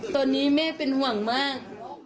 ตอนนี้แม่เป็นห่วงมาก